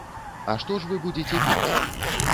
А што ж вы будзеце пець?